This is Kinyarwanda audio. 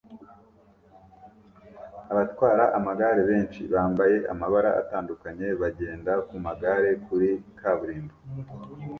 Abatwara amagare benshi bambaye amabara atandukanye bagenda ku magare kuri kaburimbo